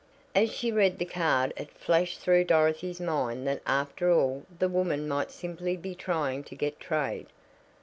_ As she read the card it flashed through Dorothy's mind that after all the woman might simply be trying to get trade.